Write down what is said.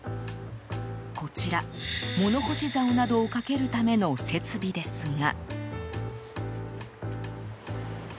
こちら、物干しざおなどをかけるための設備ですが。